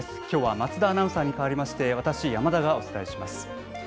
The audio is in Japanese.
きょうは松田アナウンサーに代わりまして私、山田がお伝えします。